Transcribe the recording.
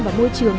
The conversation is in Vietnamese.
và môi trường